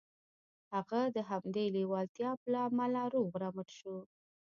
هغه د همدې لېوالتیا له امله روغ رمټ شو